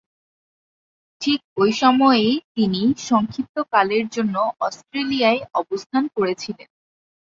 ঠিক ঐ সময়েই তিনি সংক্ষিপ্তকালের জন্য অস্ট্রেলিয়ায় অবস্থান করছিলেন।